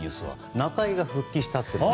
中居が復帰したっていう。